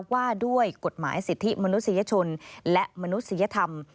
ว่าด้วยกฎหมายสิทธิมนุษยชนและมนุษยธรรม